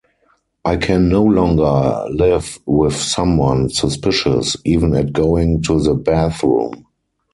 I can no longer live with someone suspicious, even at going to the bathroom.